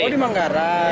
oh di manggarai